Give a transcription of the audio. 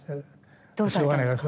どうされたんですか？